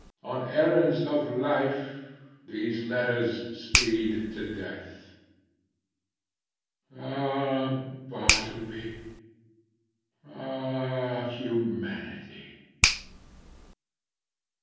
On errands of life, these letters speed to death. Ah Bartleby! Ah humanity!